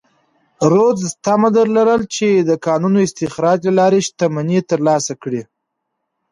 رودز تمه لرله چې د کانونو استخراج له لارې شتمنۍ ترلاسه کړي.